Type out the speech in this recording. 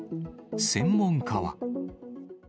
専門家は。